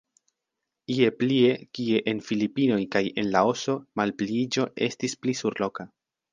Ie plie, kie en Filipinoj kaj en Laoso, malpliiĝo estis pli surloka.